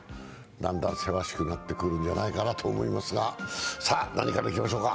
だんだんせわしくなってくるんじゃないかと思いますがさあ、何からいきましょうか。